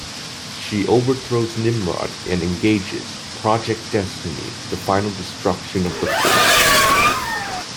She overthrows Nimrod and engages "Project: Destiny", the final destruction of the Forge.